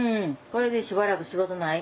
これでしばらく仕事ない。